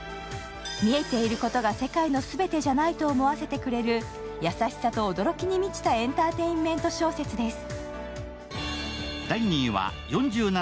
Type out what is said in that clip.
見えていることが世界の全てじゃないと思わせてくれる優しさと驚きに満ちたエンターテインメント小説です。